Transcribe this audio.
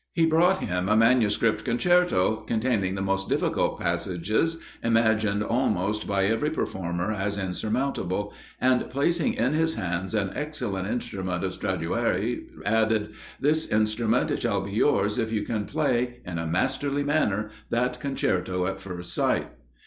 He brought him a manuscript concerto, containing the most difficult passages, imagined almost by every performer as insurmountable, and placing in his hands an excellent instrument of Stradiuari, added, "This instrument shall be yours, if you can play, in a masterly manner, that concerto at first sight."